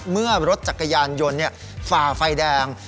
เมื่อรถจักรยานยนต์ฝ่าไฟแดง